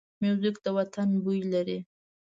موزیک د وطن بوی لري.